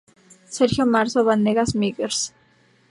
Sergio Marzo Vanegas, Mgs.